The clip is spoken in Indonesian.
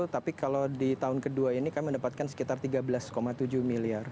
tapi kalau di tahun kedua ini kami mendapatkan sekitar tiga belas tujuh miliar